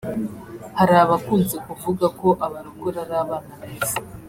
Hari abakunze kuvuga ko 'Abarokore ari abana beza'